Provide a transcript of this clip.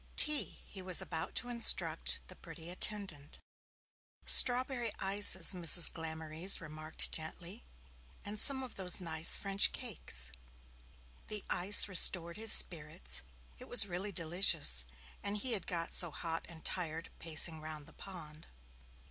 'Tea,' he was about to instruct the pretty attendant. 'Strawberry ices,' Mrs. Glamorys remarked gently. 'And some of those nice French cakes.' The ice restored his spirits, it was really delicious, and he had got so hot and tired, pacing round the pond.